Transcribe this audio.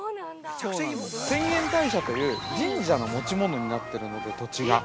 浅間大社という神社の持ち物になっているので、土地が。